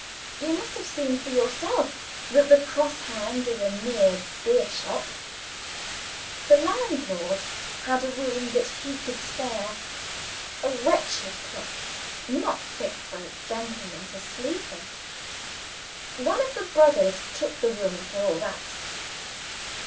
You must have seen for yourself that The Cross Hands is a mere beer shop. The landlord had a room that he could spare a wretched place, not fit for a gentleman to sleep in. One of the brothers took the room for all that."